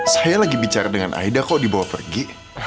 saya lagi bicara dengan aida kok dibawa pergi